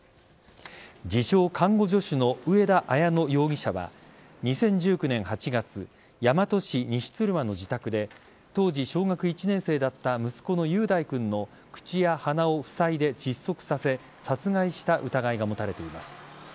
自称・看護助手の上田綾乃容疑者は２０１９年８月大和市西鶴間の自宅で当時小学１年生だった息子の雄大君の口や鼻をふさいで窒息させ殺害した疑いが持たれています。